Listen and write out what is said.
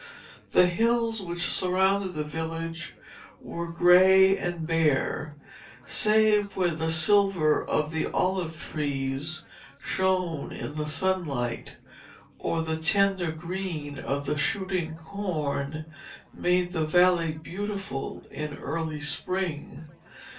The hills which surrounded the village were grey and bare, save where the silver of the olive trees shone in the sunlight, or the tender green of the shooting corn made the valley beautiful in early spring.